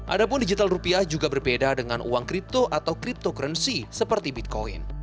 adapun digital rupiah juga berbeda dengan uang kripto atau cryptocurrency seperti bitcoin